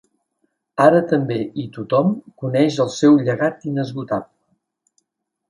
Ara també i tothom coneix el seu llegat inesgotable.